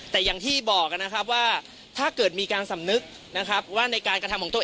แต่อย่างที่บอกนะครับว่าถ้าเกิดมีการสำนึกนะครับว่าในการกระทำของตัวเอง